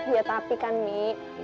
iya tapi kan mi